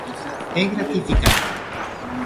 É gratificante.